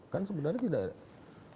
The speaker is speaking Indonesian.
kan sebenarnya tidak ada